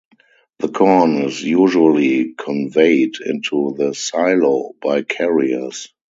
The corn is usually conveyed into the silo by carriers.